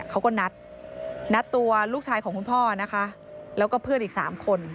เขาก็นัดตัวลูกชายของคุณพ่อนะคะแล้วก็เพื่อนอีก๓คน